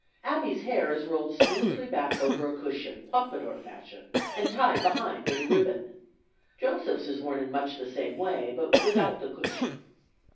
Abby's hair is rolled smoothly back over a cushion, Pompadour fashion, and tied behind with a ribbon; Joseph's worn in much the same way, but without the cushion.